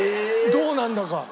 どうなんだか。